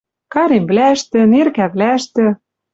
Каремвлӓштӹ, неркӓвлӓштӹ